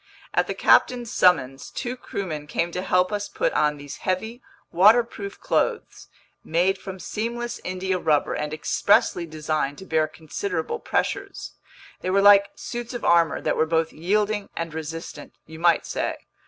At the captain's summons, two crewmen came to help us put on these heavy, waterproof clothes, made from seamless India rubber and expressly designed to bear considerable pressures. They were like suits of armor that were both yielding and resistant, you might say.